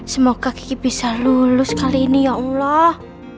semoga kaki bisa lulus kali ini ya allah